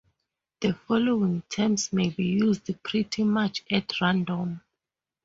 The following terms may be used pretty much at random.